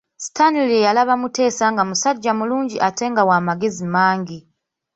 Stanley yalaba Mutesa nga musajja mulungi ate nga wa magezi mangi.